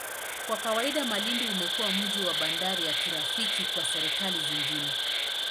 Kwa kawaida, Malindi umekuwa mji na bandari ya kirafiki kwa serikali zingine.